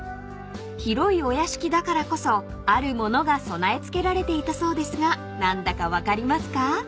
［広いお屋敷だからこそある物が備え付けられていたそうですが何だか分かりますか？］